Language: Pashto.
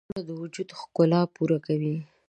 بوټونه د وجود ښکلا پوره کوي.